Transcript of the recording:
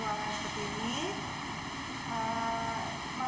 maka sel sel terbutuh bisa menyerah oksigen